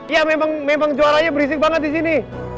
iya memang juaranya berisik banget disini